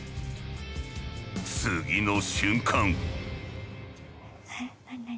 次の瞬間！